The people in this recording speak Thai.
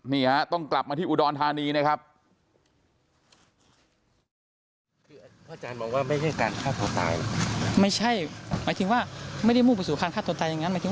นี่ฮะต้องกลับมาที่อุดรธานีนะครับ